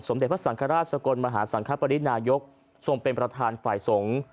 เด็จพระสังฆราชสกลมหาสังคปรินายกทรงเป็นประธานฝ่ายสงฆ์